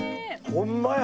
ホンマや！